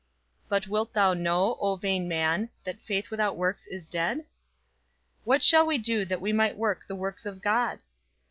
"But wilt thou know, O vain man, that faith without works is dead?" "What shall we do that we might work the works of God?"